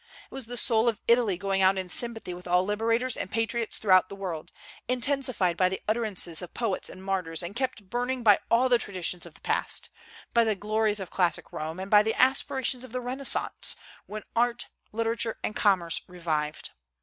It was the soul of Italy going out in sympathy with all liberators and patriots throughout the world, intensified by the utterances of poets and martyrs, and kept burning by all the traditions of the past, by the glories of classic Rome; and by the aspirations of the renaissance, when art, literature, and commerce revived.